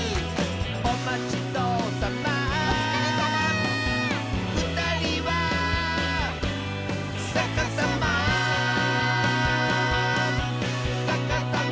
「おまちどおさま」「おつかれさま」「ふたりはさかさま」「さかさま」